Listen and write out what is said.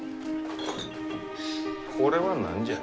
これは何じゃ？